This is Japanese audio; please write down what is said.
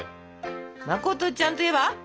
「まことちゃん」といえば？